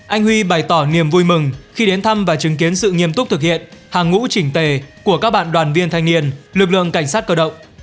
anh huy bày tỏ niềm vui mừng khi đến thăm và chứng kiến sự nghiêm túc thực hiện hàng ngũ chỉnh tề của các bạn đoàn viên thanh niên lực lượng cảnh sát cơ động